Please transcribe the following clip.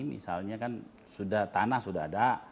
misalnya kan sudah tanah sudah ada